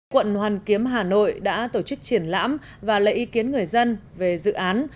quận hoàn kiếm hà nội đã tổ chức triển lãm và lấy ý kiến người dân về dự án